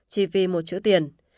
chỉ vì một chữ tiền